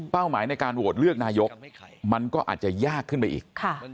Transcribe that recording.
หมายในการโหวตเลือกนายกมันก็อาจจะยากขึ้นไปอีก